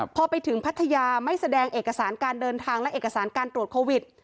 พอไปถึงพัทยาไม่แสดงเอกสารการเดินทางและเอกสารการตรวจโควิด